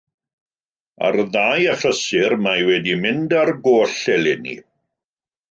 Ar ddau achlysur mae wedi mynd ar goll eleni